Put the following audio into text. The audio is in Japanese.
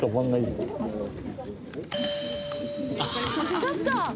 ちょっと！